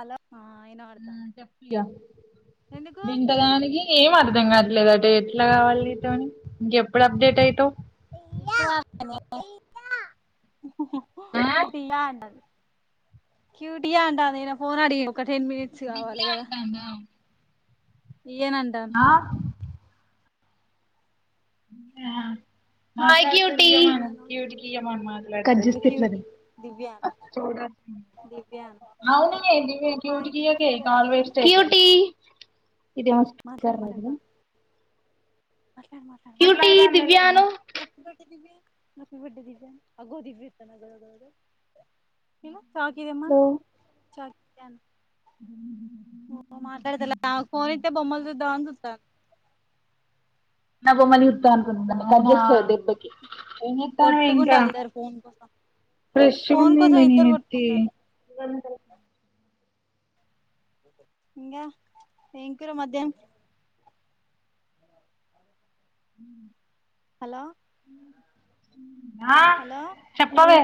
అలాన మ్ చెప్పిగా ఎందుకు గింత దానికి ఏం అర్థంగా లేదంటే ఎట్లా కావాలినితోని ఇంకెప్పుడు అప్డేట్ అయితవ్ ఆ ఇది అన్నది క్యూటియా అంటాంది ఈయన ఫోన్ అడిన్ ఒక టెన్ మినిట్స్ దివ్య కావాలి కదా అంటాందా ఈయనంటన్ ఆ మకి ఉ పి ఇయ్యను ఇగ కట్జేస్ తిట్లను క్యూటీ దివ్య చూడనా దివ్య అవును ఏంటి మీ క్యూట్ హాయ్ కి ఇంకేం దివ్య కావాలి అను వెస్టే క్యూటి ఇది ఆస్ట్ మాట్లాడు కార్ మాట్లాడు ఆగిదా మా మాట్లాడు మాట్లాడు మాట్ దివ్య అను మాట్లాడు నిన్నే నాకువి బడ్డే ద అగదవి ఇస్తా నగను చాక్ ఇయ్యమ్మ చాక్ జాన్ ఓ హో మాట్లాడు తె ఫోన్ ఇత్తే బొమ్మలు చూద్దా అని సుత్త నవమని ఉతున్న అట్ల అనుకుంట ఏం జేత్తావ్ ఇంక కొట్టుకుంటాళ్ళు ఇద్దరు ఫోన్ కోసం ఫ్రెష్గా ఫోన్ ఉంది కోసం ఇద్దరు నినెత్తి కొట్టుకుంటాళ్ళు ఇంగ ఏం కూర మధ్యాహం? ఉ హలో ఆ హలో చెప్పవే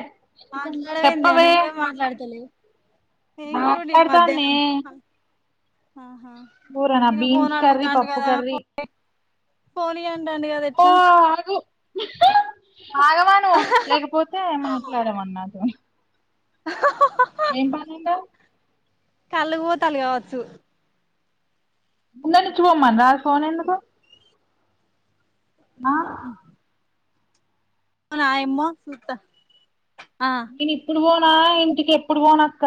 మాట్లాడవేందే చెప్పవే నువ్వే మాట్లాడతలేవు ఏం కూర వండింది మాట్లాడతాన్నే మధ్యాహ్నం హ అ కూరనా తినకి బీన్స్ ఫోన్ కర్రీ ఆడుగుతాంది పప్పు గద ఫో కర్రీ ఏ పోనీ అంటండి కదా ఎట్లా నహ్ ఆగవను లేకపోతే మాట్లాడము అన్నాడు అహ్హ్ ఏం పనిందా? కళ్ళు పోతలు కావచ్చు ఉన్నది ఇచ్చి పోమ్మనరా ఫోన్ ఎందుకు? ఆ ఉహు నాయమ్మో సూత నేను ఇప్పుడు పోనా, ఇంటికి ఎప్పుడు పోనక్క?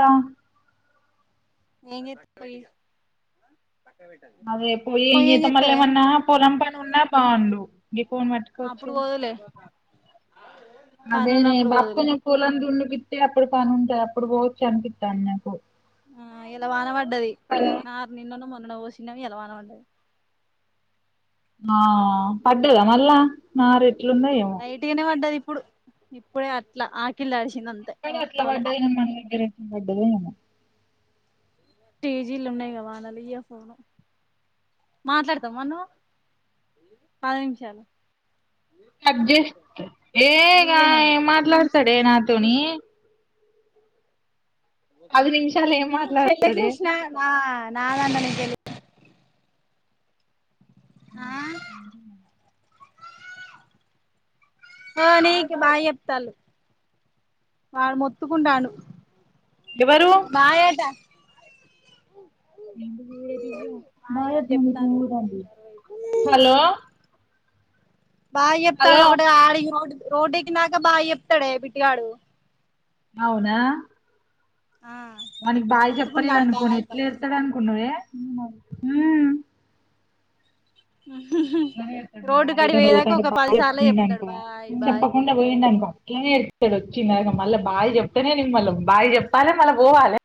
ఏంజేత్త పోయి అవె పోయి ఏం జేత్తావ్ మళ్ళ ఏమన్నా పొలం పని ఉన్నా బాండు ఇ పోన్ మట్టుకోచ్చే అ అదేనే బాప కొంచెం పూలం దుండుకిట్టతే అప్పుడు పని ఉంటాయి అప్పుడు పోవచ్చు అనిపిత్తాను నాకు ఆ ఎల వాన పడ్డది నారు నిన్ననో, మొన్ననో పోసినవి ఎల వాన పడ్డది. ఆ పడ్డదా మల్ల నారే లైట్గానే పడ్డది ఇప్పుడు ఇప్పుడే అట్లా ఆకిల్డిచ అక్కడ అట్లా వడ్డయినాం మన దగ్గర వడ్డదయము టీజీలు ఉన్నాయిగా వానాలియ్య ఫోను మాట్లాడతా మను పది నిమిషాలు కట్ జేస్త ఏగా ఇయ్య నేను ఏం నా మాట్లాడతాడే నాతోని పది నిమిషాలు ఏం ని చెళ్లే కి మాట్లాడతాడే లేసినా మా నాదాంలో నే తెలి ఉ ఏం తిన్నారు? ఆ నీకు బాయ్ ఎప్తల్లు వాడు మొత్తుకుండాలు ఎవరు మాయట బాయ్ అని చెప్తాను హలో బాయి చెప్తాడు హలో ఒకటి ఆడి రోడ్ రోడ్కి నాక బాయి చెప్తాడే పిట్టిగాడు అవునా ఆ మనకి బావి చెప్పలేదు మొత్తుకుంటాండు అనుకోని బాయ్ ఎట్లా బాయ్ ఇతాడు అనుకున్నావే అని [unintelligible] రోడ్డు కాడికి పోయేదాకా ఒక పది సార్లు చెప్తాడు అనుకో బాయ్ బాయ్ చెప్పకుండా పోయిండనుకో అట్లనే ఇస్తాడు వచ్చింది మళ్ళీ బావి చెప్తనే న మళ్ళీ బావి చెప్పాలి మళ్ళా పోవాలి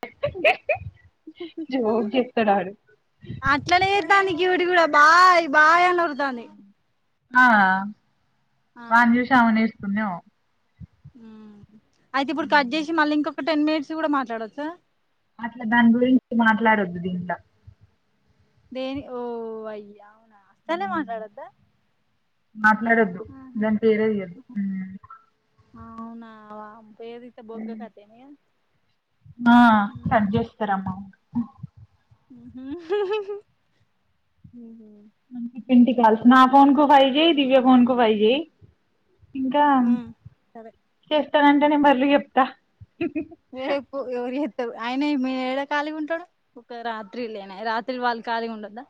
జోక్ చేస్తాడు ఆడు [unintelligible] బాయ్ బయ [unintelligible] ఆ వాన్ూ శామని వసుకున్న అయితే ఇప్పుడు కట్ చేసి మళ్ళీ ఇంకొక టెన్ మినిట్స్ కూడా మాట్లాడవచ్చా అట్లా దాని గురించి మాట్లాడొద్దు దీంలో దేని ఓ అయ అవునాస్తానే మాట్లాడద్దా మాట్లాడొద్దు దాని పేరేదియద్దు అవునా ఏ రీతే బొగ్గకతని ఆ సది చేస్తాకరమ్మ ఊహూ ఊహూ [unintelligible] నా ఫన్ కు ఫైజేయి దివ్య ఫోన్ కు ఫైజేయి ఇంకా మ్మ్ సరే చేస్తానంటే నేను బర్రలు చెప్తా వేకు ఎవరి ఎ ఆయన మీ ఏడా ఖాళీ గా ఉంటాడు ఒక రాత్రి లేనా రాత్రి వాళ్ళు ఖాళీగా ఉండద్దా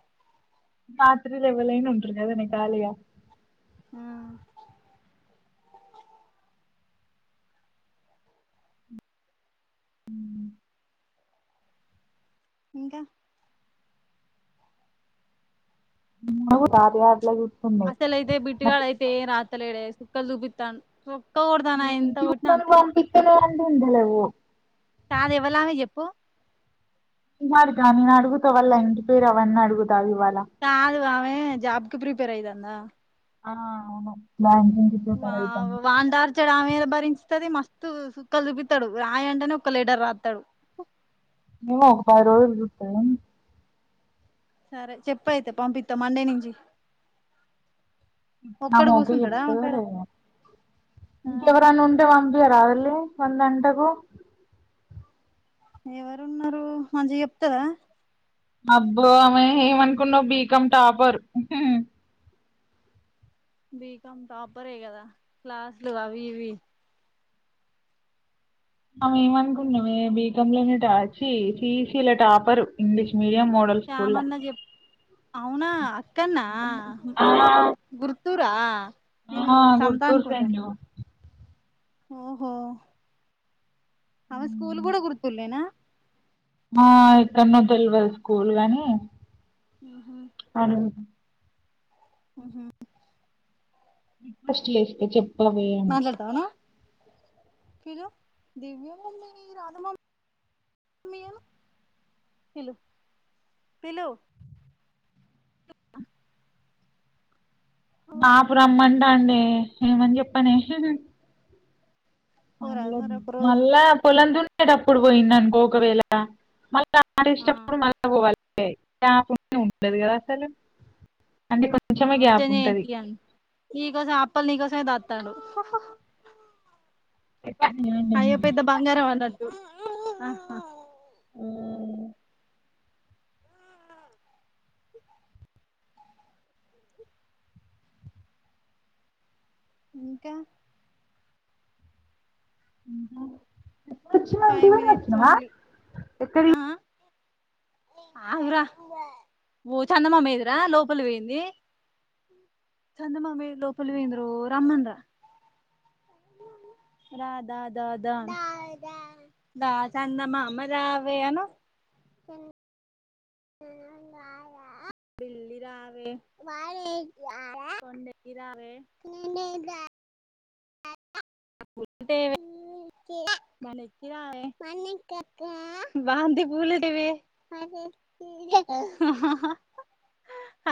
రాత్రి లెవలేనుఅంటరుగాదనే కాాలయ ఆ హ ఇంకా రాట్లా అసలు అైతే బిట్టుగాళ అయితే రాత్రలుడ సుక్కలు దూపితాను చూను పంపించనే అడి ఉందల కాదు ఎవలామె చెప్పు [unintelligible] నేను అడుగుతా వళ్ళ ఇంటి పేరు అవన్నీ అడుగుతావు ఇవాళ ఎ జాబ్కి ప్రిపేర్ అఐదాందా ఆ అవును బావుంద్ వా వాందార్చడ ఆమెద భరించది మస్ తు చుక్కలు చూపితాడు రాయంటనే ఒక లీడర్ రాస్తాడు [unintelligible] సరే చెప్ప అయితే పంపిస్తా మండే నుంచి ఒక్కడు నామక కూసుంటడా ఎప్పుడు ఆమెకాడ లే ఆ ఇంకెవరైన్నా ఉంటే వా ఇయ రావలి ఒందంటకు ఎవరు ఉన్నారు మంచిగా చెప్తదా అబ్బో ఆమె ఏమనుకున్నావు్ బీకామ్ టాపర్ బీ కామ్ టాపరే కద క్లాస్ లో అవి ఇవి ఆమె ఏమనుకున్నవే బీ కామ్ లోనే టార్ ఛీ సిఈసీలా టాపరు ఇంగ్లీష్ మీడియ చామన్న చెప్ అవునా అక్కన్నా గుర్ చిత్తూరా నేను ఆ సమత గుర్తూరు అనుకుంటన్న సెంట్ ఓహో ఆమె స్కూల్ కూడ గురుతుల్లేన ఆ ఎక్కడనో తెలవదు స్కూల్ గాని ఆ అడు మ్ హు ఫస్ట్ లేస్త్ చెప్ మాట్లాడుతావా నువ్ కలు దివ్య మమ రాధమా ప పలు బపు రమ్మంటండే ఏమని చెప్పనే మళ్ళ పోరాదు మరి ఒక రోజు మళ్ళా పొలం దున్నేటప్పుడు పోయిండనుకో ఒకవేళ మళ డాడీ ఆ ఇష్టప డ్ [unintelligible] ఉండదు కదా అసలు అంటే అ కొంచెమే గ్యాప్ ఉత్తగానే ఏ ఉంటది పియన్ మీ కోసం అప్ ప్పల్ ని కోసమే దాతండు అ అయ్యి పెద్ద బంగారం అన్నట్టు అహ మ్ ఇంకా [unintelligible] ఫైవ్ మినిట్స్ ఓన్లీ ఎక్కడికి ఆరా ఓ చన్నమా మీదురా లోపలి వేయింది చందమామి లోపలి వంద్ర రమంద రాధా దా దా దా చంద మా మజా అనా బిల్లి రా ఇ ేవ మ మ బంది బూలడివ